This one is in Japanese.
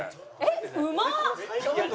うまっ！